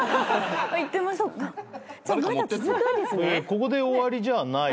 ここで終わりじゃない。